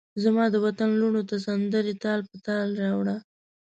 زمادوطن لوڼوته سندرې تال په تال راوړه